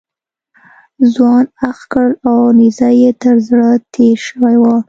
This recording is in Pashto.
ځوان اخ کړل او نیزه یې تر زړه تېره شوې وه.